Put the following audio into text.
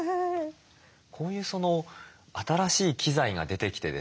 こういう新しい機材が出てきてですね